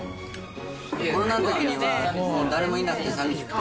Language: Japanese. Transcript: コロナ禍のときは誰もいなくて寂しくて。